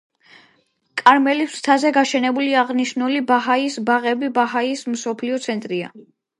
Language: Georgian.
კარმელის მთაზე გაშენებული აღნიშნული ბაჰაის ბაღები ბაჰაიზმის მსოფლიო ცენტრია.